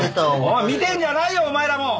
おい見てんじゃないよお前らも！ほら！